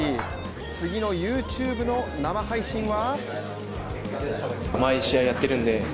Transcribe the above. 次のＹｏｕＴｕｂｅの生配信は？